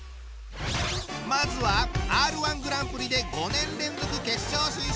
まずはＲ−１グランプリで５年連続決勝進出！